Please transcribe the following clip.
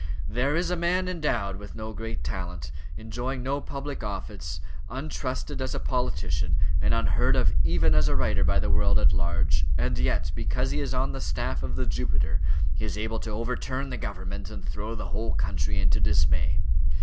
There is a man endowed with no great talent, enjoying no public confidence, untrusted as a politician, and unheard of even as a writer by the world at large, and yet, because he is on the staff of the Jupiter, he is able to overturn the government and throw the whole country into dismay.